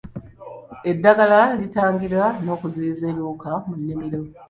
Eddagala litangira n'okuziyiza ebiwuka mu nnimiro.